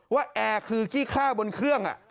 แอร์คือขี้ฆ่าบนเครื่อง